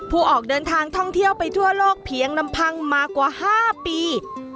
ออกเดินทางท่องเที่ยวไปทั่วโลกเพียงลำพังมากว่า๕ปี